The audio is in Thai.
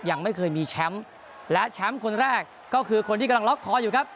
ยังไม่เคยมีแชมป์และแชมป์คนแรกก็คือคนที่กำลังล็อกคออยู่ครับ